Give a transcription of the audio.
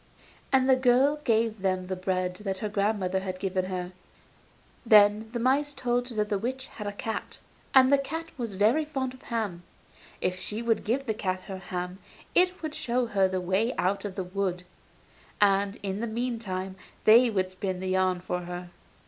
And the girl gave them the bread that her grandmother had given her. Then the mice told her that the witch had a cat, and the cat was very fond of ham; if she would give the cat her ham, it would show her the way out of the wood, and in the meantime they would spin the yarn for her.